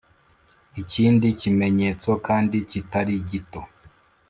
ikindi kimenyetso kandi kitari gito